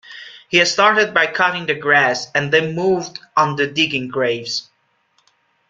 He started by cutting the grass, and then moved on to digging graves.